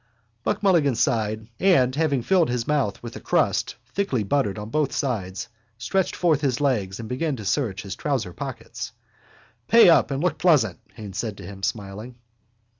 Buck Mulligan sighed and, having filled his mouth with a crust thickly buttered on both sides, stretched forth his legs and began to search his trouser pockets. —Pay up and look pleasant, Haines said to him, smiling.